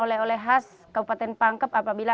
dosun yang dipanggil